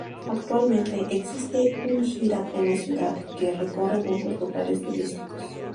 Actualmente, existe un gira en la ciudad, que recorre muchos lugares turísticos.